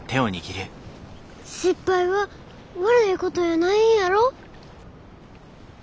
失敗は悪いことやないんやろ？